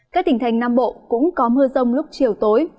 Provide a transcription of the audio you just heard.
các tỉnh thành nam bộ cũng có mưa rông lúc chiều tối